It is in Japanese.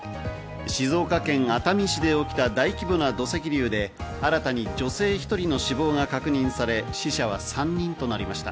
静岡県熱海市で起きた大規模な土石流で、新たに女性１人の死亡が確認され、死者は３人となりました。